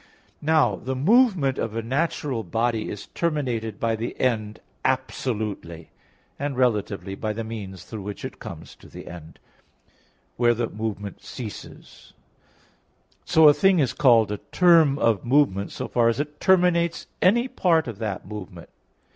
Now the movement of a natural body is terminated by the end absolutely; and relatively by the means through which it comes to the end, where the movement ceases; so a thing is called a term of movement, so far as it terminates any part of that movement.